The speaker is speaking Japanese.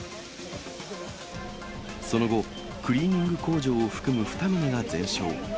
その後、クリーニング工場を含む２棟が全焼。